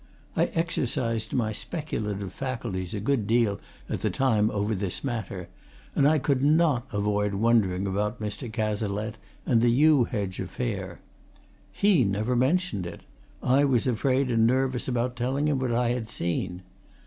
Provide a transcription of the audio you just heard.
I exercised my speculative faculties a good deal at the time over this matter, and I could not avoid wondering about Mr. Cazalette and the yew hedge affair. He never mentioned it; I was afraid and nervous about telling him what I had seen.